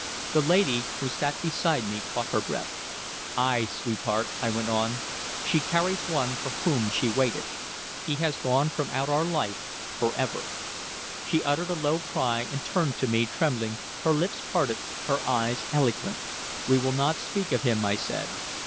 The lady who sat beside me caught her breath. "Ay, sweetheart," I went on. "She carries one for whom she waited. He has gone from out our life forever." She uttered a low cry and turned to me, trembling, her lips parted, her eyes eloquent. "We will not speak of him," I said.